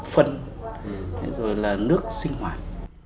phần thế rồi là nước sinh hoạt